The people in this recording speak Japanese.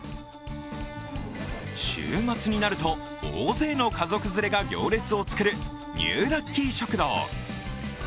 週末になると、大勢の家族連れが行列を作るニューラッキー食堂。